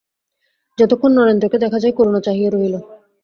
যতক্ষণ নরেন্দ্রকে দেখা যায় করুণা চাহিয়া রহিল।